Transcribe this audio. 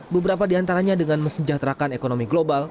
beberapa diantaranya dengan mesejahterakan ekonomi global